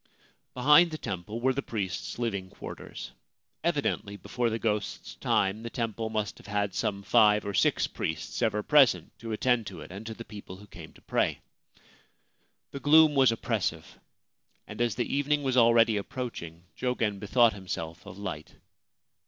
Behind the temple were the priests' living quarters ; evidently, before the ghost's time, the temple must have had some five or six priests ever present to attend to it and to the people who came to pray. The gloom was oppressive, and as the evening was already approaching Jogen bethought himself of light.